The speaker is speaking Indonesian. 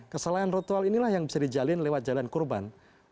kesalahan ritual inilah yang bisa dijalin lewat jalan kurban